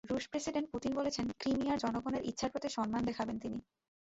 রুশ president Putin বলেছেন, ক্রিমিয়ার জনগণের ইচ্ছার প্রতি সম্মান দেখাবেন তিনি।